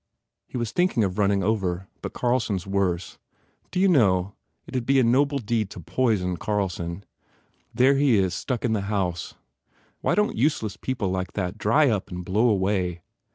He was think ing of running over. But Carlson s worse. ... D you know, it d be a noble deed to poison Carl son. There he is stuck in the house. Why don t useless people like that dry up and blow away?"